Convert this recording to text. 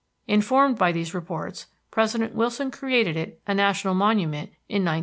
Informed by these reports, President Wilson created it a national monument in 1918.